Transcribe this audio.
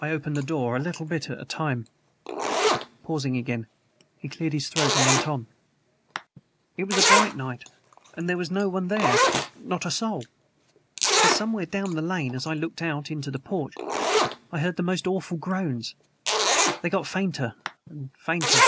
I opened the door, a little bit at a time." Pausing again, he cleared his throat, and went on: "It was a bright night, and there was no one there not a soul. But somewhere down the lane, as I looked out into the porch, I heard most awful groans! They got fainter and fainter.